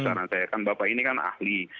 karena saya kan bapak ini kan ahli